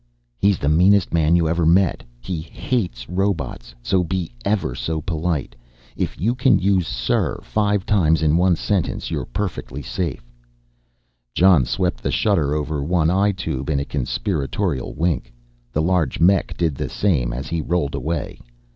"He's the meanest man you ever met he hates robots so be ever so polite. If you can use 'sir' five times in one sentence you're perfectly safe." Jon swept the shutter over one eye tube in a conspiratorial wink, the large mech did the same as he rolled away.